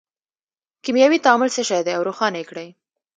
کیمیاوي تعامل څه شی دی او روښانه یې کړئ.